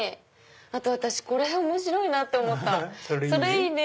あと私これ面白いなって思った「それいいね」